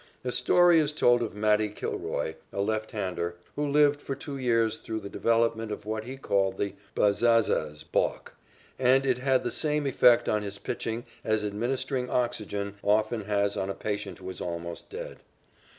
A story is told of "Matty" Kilroy, a left hander, who lived for two years through the development of what he called the "Bazzazaz" balk, and it had the same effect on his pitching as administering oxygen often has on a patient who is almost dead.